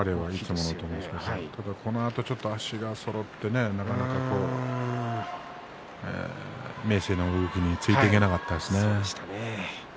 このあとちょっと足がそろって、なかなか明生の動きについていけなかったですね。